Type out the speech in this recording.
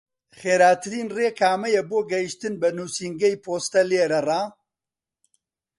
خێراترین ڕێ کامەیە بۆ گەیشتن بە نووسینگەی پۆستە لێرەڕا؟